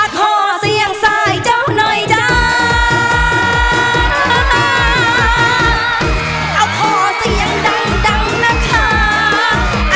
อ่ะขอเสียงสายโจ๊ะหน่อยจ้าอ่ะขอเสียงดังดังน่ะชา